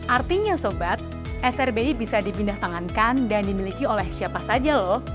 artinya sobat srbi bisa dipindah tangankan dan dimiliki oleh siapa saja loh